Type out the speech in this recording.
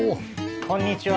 こんにちは。